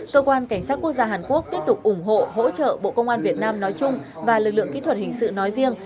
cơ quan cảnh sát quốc gia hàn quốc tiếp tục ủng hộ hỗ trợ bộ công an việt nam nói chung và lực lượng kỹ thuật hình sự nói riêng